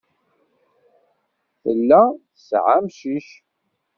Tella tesɛa amcic.